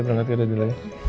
berangkat kerja dulu ya